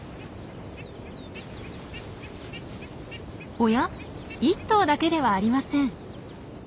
おや１頭だけではありません。